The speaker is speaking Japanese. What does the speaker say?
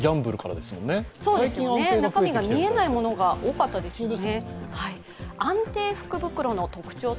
そうですね、中身が見えないものが多かったですよね。